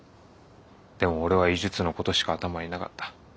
でも俺は医術の事しか頭になかった。